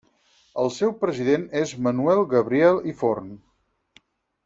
El seu president és Manuel Gabriel i Forn.